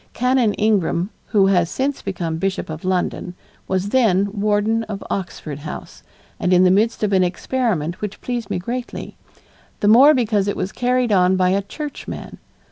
Canon Ingram, who has since become Bishop of London, was then warden of Oxford House and in the midst of an experiment which pleased me greatly, the more because it was carried on by a churchman.